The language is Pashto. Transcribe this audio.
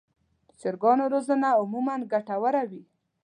د چرګانو روزنه عموماً ګټه وره وي.